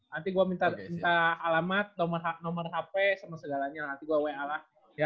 nanti gue minta alamat nomor hp sama segalanya nanti gue wa lah